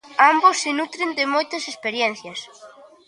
Ambos se nutren de moitas experiencias.